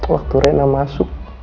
waktu rena masuk